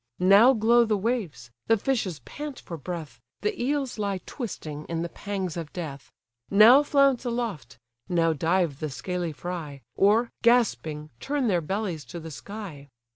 Now glow the waves, the fishes pant for breath, The eels lie twisting in the pangs of death: Now flounce aloft, now dive the scaly fry, Or, gasping, turn their bellies to the sky.